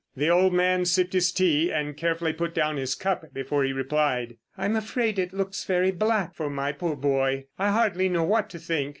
The old man sipped his tea, and carefully put down his cup before he replied: "I'm afraid it looks very black for my poor boy. I hardly know what to think.